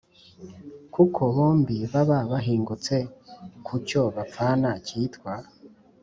kuko bombi baba bahingutse ku cyo bapfana cyitwa